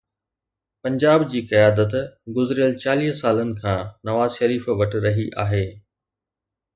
پنجاب جي قيادت گذريل چاليهه سالن کان نواز شريف وٽ رهي آهي.